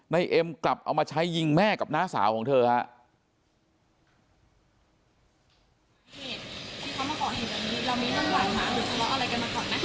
เอ็มกลับเอามาใช้ยิงแม่กับน้าสาวของเธอฮะ